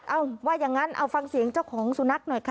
เอาว่าอย่างนั้นเอาฟังเสียงเจ้าของสุนัขหน่อยค่ะ